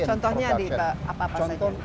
contohnya di apa apa saja